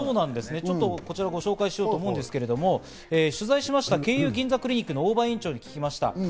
ちょっとこちらをご紹介しようと思うんですが、取材しました慶友銀座クリニックの大場院長に聞きました。